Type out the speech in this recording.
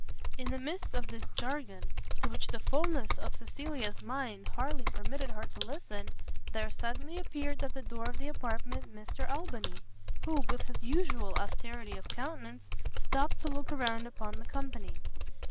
] In the midst of this jargon, to which the fulness of Cecilia's mind hardly permitted her to listen, there suddenly appeared at the door of the apartment, Mr Albany, who, with his usual austerity of countenance, stopt to look round upon the company.